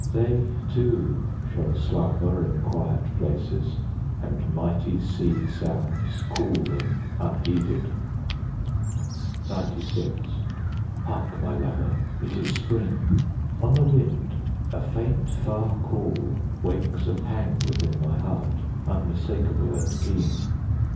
They too shall slumber In quiet places, 30 And mighty sea sounds Call them unheeded. XCVI Hark, my lover, it is spring! On the wind a faint far call Wakes a pang within my heart, Unmistakable and keen.